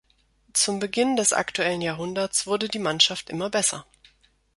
Zum Beginn des aktuellen Jahrhunderts wurde die Mannschaft immer besser.